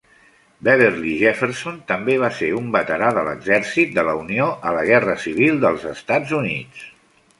Beverley Jefferson també va ser un veterà de l'Exèrcit de la Unió a la Guerra Civil dels Estats Units.